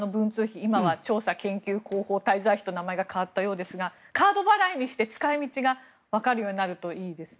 今は調査研究交通滞在費と名前が変わったようですがカード払いにして使い道がわかるようになるといいですね。